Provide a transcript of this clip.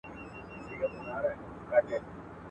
څه ورېښمین شالونه لوټ کړل غدۍ ورو ورو!